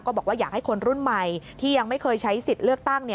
บอกว่าอยากให้คนรุ่นใหม่ที่ยังไม่เคยใช้สิทธิ์เลือกตั้ง